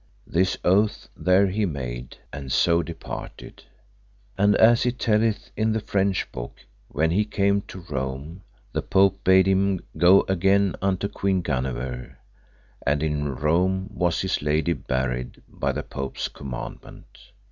This oath there he made, and so departed. And as it telleth in the French book, when he came to Rome, the Pope bade him go again unto Queen Guenever, and in Rome was his lady buried by the Pope's commandment.